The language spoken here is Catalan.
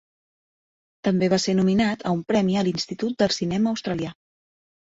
També va ser nominat a un premi a l'Institut del cinema australià.